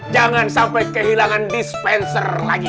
jangan sampai kehilangan dispenser lagi